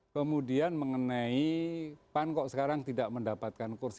kemudian mengenai pan kok sekarang tidak mendapatkan kursi